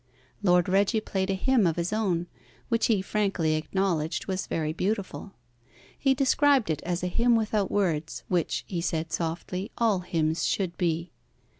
Lord Reggie played a hymn of his own, which he frankly acknowledged was very beautiful. He described it as a hymn without words, which, he said softly, all hymns should be.